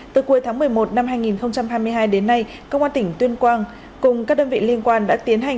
từ cuối tháng một mươi một năm hai nghìn hai mươi hai đến nay công an tỉnh tuyên quang cùng các đơn vị liên quan đã tiến hành